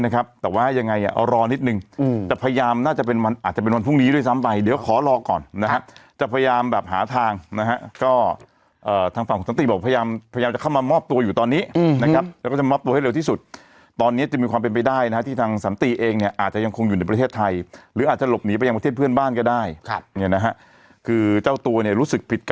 ก่อนนะฮะจะพยายามแบบหาทางนะฮะก็เอ่อทางฝั่งของสันติบอกพยายามพยายามจะเข้ามามอบตัวอยู่ตอนนี้อืมนะครับแล้วก็จะมอบตัวให้เร็วที่สุดตอนนี้จะมีความเป็นไปได้นะฮะที่ทางสันติเองเนี่ยอาจจะยังคงอยู่ในประเทศไทยหรืออาจจะหลบหนีไปยังประเทศเพื่อนบ้านก็ได้ครับเนี่ยนะฮะคือเจ้าตัวเนี่ยรู้สึกผิดกั